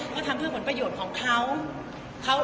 ก็ทำเพื่อเหมือนประโยชน์ของเขา